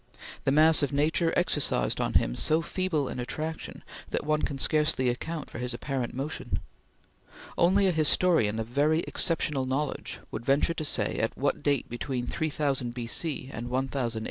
The mass of nature exercised on him so feeble an attraction that one can scarcely account for his apparent motion. Only a historian of very exceptional knowledge would venture to say at what date between 3000 B.C. and 1000 A.D.